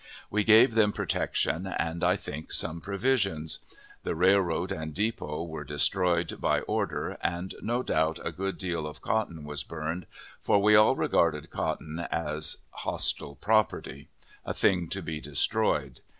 We gave them protection, and, I think, some provisions. The railroad and depot were destroyed by order, and no doubt a good deal of cotton was burned, for we all regarded cotton as hostile property, a thing to be destroyed.